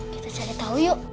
kita cari tahu yuk